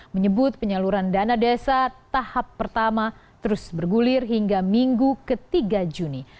menyebut penyaluran dana desa tahap pertama terus bergulir hingga minggu ke tiga juni